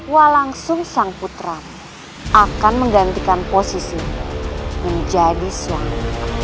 walangsungsang putramu akan menggantikan posisi menjadi suami